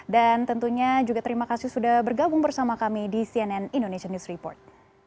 dan tentunya juga terima kasih sudah bergabung bersama kami di cnn indonesian news report